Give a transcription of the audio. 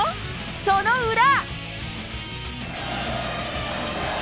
その裏。